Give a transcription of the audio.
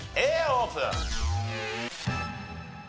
Ａオープン！